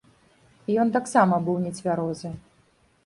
Ён таксама быў нецвярозы.